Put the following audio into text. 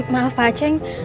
maaf pak ceng